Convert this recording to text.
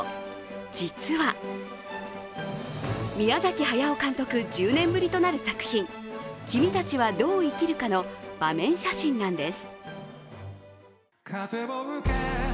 実は、宮崎駿監督１０年ぶりとなる作品「君たちはどう生きるか」の場面写真なんです。